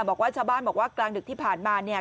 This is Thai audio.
บอกว่าชาวบ้านบอกว่ากลางดึกที่ผ่านมาเนี่ย